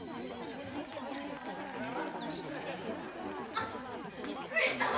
あっ上様！